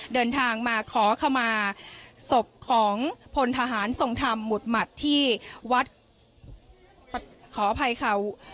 เดินทางมาขอขมาศพของพลทหารทรงธรรมหมุดหมัดที่วัดขออภัยค่ะ